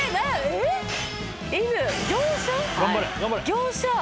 業者。